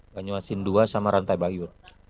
banyu asin dua sama rantai bayu